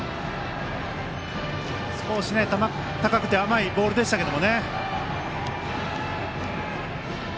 少し、高くて甘いボールでしたけど。